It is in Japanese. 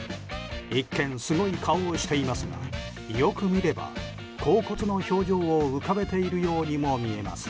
一見、すごい顔をしていますがよく見れば、恍惚の表情を浮かべているようにも見えます。